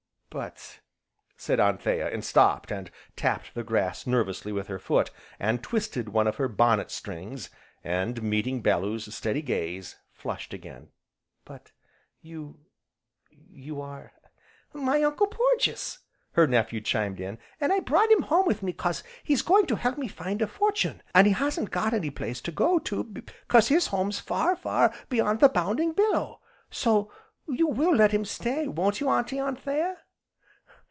"But " said Anthea, and stopped, and tapped the grass nervously with her foot, and twisted one of her bonnet strings, and meeting Bellew's steady gaze, flushed again, "but you you are " "My Uncle Porges," her nephew chimed in, "an' I brought him home with me 'cause he's going to help me to find a fortune, an' he hasn't got any place to go to 'cause his home's far, far beyond the 'bounding billow,' so you will let him stay, won't you, Auntie Anthea?"